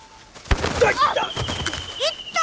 いった！